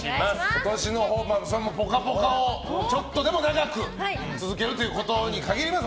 今年の抱負は「ぽかぽか」をちょっとでも長く続けるということに限ります。